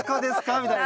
みたいな。